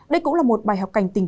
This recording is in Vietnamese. đây cũng là một bài học cảnh tình